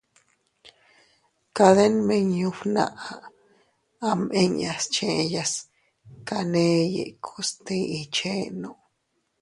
Kade nmiñu fnaʼa am inñas scheyas taney ikus tiʼi chenno.